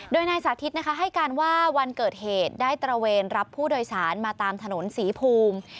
โดยนายสาธิตนะคะให้การว่าวันเกิดเหตุได้ตระเวนรับผู้โดยสารมาตามถนนศรีภูมิ